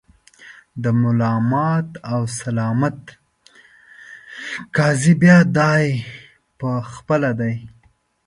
د ملامت او سلامت قاضي بیا دای په خپله دی.